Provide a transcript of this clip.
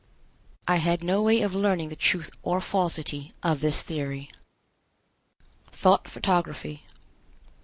I had no way of learning the truth or falsity of this theory. THOUGHT PHOTOGRAPHY.